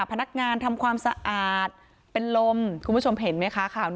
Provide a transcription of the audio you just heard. พนักงานทำความสะอาดเป็นลมคุณผู้ชมเห็นมั้ยคะ